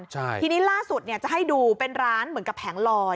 ทีนี้ล่าสุดเนี่ยจะให้ดูเป็นร้านเหมือนกับแผงลอย